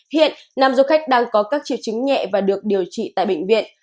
hiện nam du khách đang có các triệu chứng nhẹ và được điều trị tại bệnh viện